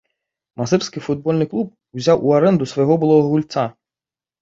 Мазырскі футбольны клуб узяў у арэнду свайго былога гульца.